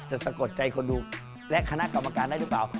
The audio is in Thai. สะกดใจคนดูและคณะกรรมการได้หรือเปล่า